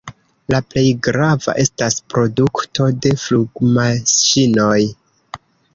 La plej grava estas produkto de flugmaŝinoj.